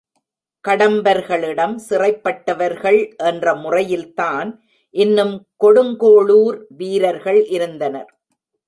கடம்பர்களிடம் சிறைப்பட்டவர்கள் என்ற முறையில்தான் இன்னும் கொடுங்கோளூர் வீரர்கள் இருந்தனர்.